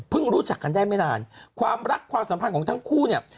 รู้จักกันได้ไม่นานความรักความสัมพันธ์ของทั้งคู่เนี่ย